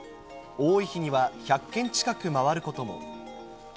多い日には１００軒近く回ることも。